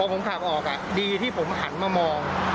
ผมขับออกดีที่ผมหันมามอง